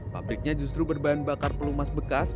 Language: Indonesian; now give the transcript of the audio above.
pabriknya justru berbahan bakar pelumas bekas